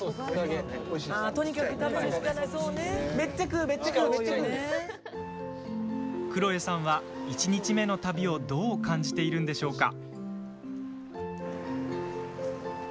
くろえさんは、１日目の旅をどう感じているんでしょうか？